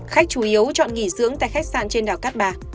khách chủ yếu chọn nghỉ dưỡng tại khách sạn trên đảo cát bà